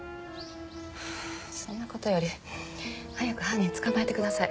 そんな事より早く犯人捕まえてください。